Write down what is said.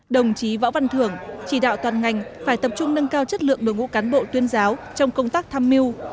đồng chí võ văn thưởng chỉ đạo toàn ngành phải tập trung nâng cao chất lượng đội ngũ cán bộ tuyên giáo trong công tác tham mưu